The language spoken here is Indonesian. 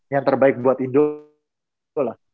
yang terbaik buat indonesia